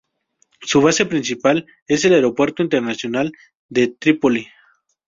Su base principal es el Aeropuerto Internacional de Trípoli.